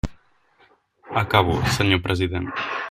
Acabo, senyor president.